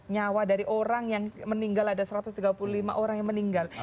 nyawa dari orang yang meninggal ada satu ratus tiga puluh lima orang yang meninggal